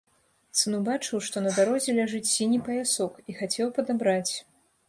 Сын убачыў, што на дарозе ляжыць сіні паясок і хацеў падабраць.